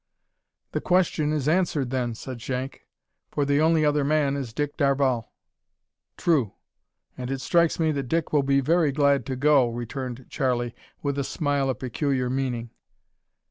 "The question is answered, then," said Shank, "for the only other man is Dick Darvall." "True; and it strikes me that Dick will be very glad to go," returned Charlie with a smile of peculiar meaning.